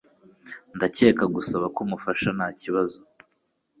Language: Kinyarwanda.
Ndakeka gusaba kumufasha ntakibazo.